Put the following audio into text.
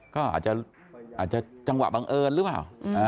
ก็อาจจะจังหวะบังเอิญหรือเปล่า